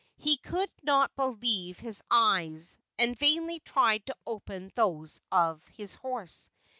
He could not believe his eyes, and vainly tried to open those of his horse.